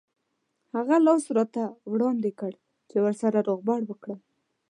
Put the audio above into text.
هغه لاس راته وړاندې کړ چې ورسره روغبړ وکړم.